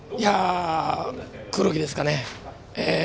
黒木ですかね。